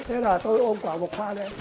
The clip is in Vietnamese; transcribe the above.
thế là tôi ôm quả bột pha lên